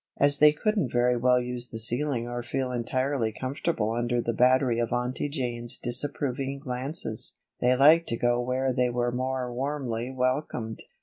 As they couldn't very well use the ceiling or feel entirely comfortable under the battery of Aunty Jane's disapproving glances, they liked to go where they were more warmly welcomed.